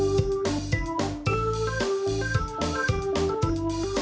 ภูนิสาค่ะมาใหม่เลยนะคะ